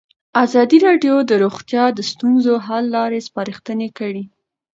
ازادي راډیو د روغتیا د ستونزو حل لارې سپارښتنې کړي.